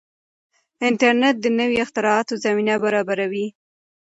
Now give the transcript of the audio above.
انټرنیټ د نویو اختراعاتو زمینه برابروي.